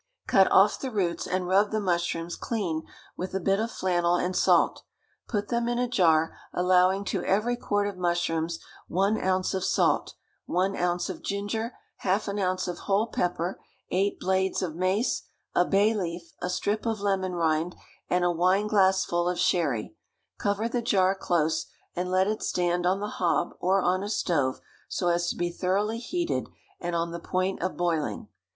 Cut off the roots, and rub the mushrooms clean with a bit of flannel and salt; put them in a jar, allowing to every quart of mushrooms one ounce of salt, one ounce of ginger, half an ounce of whole pepper, eight blades of mace, a bay leaf, a strip of lemon rind, and a wineglassful of sherry; cover the jar close, and let it stand on the hob or on a stove, so as to be thoroughly heated, and on the point of boiling.